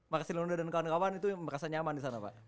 marcelonda dan kawan kawan itu merasa nyaman di sana pak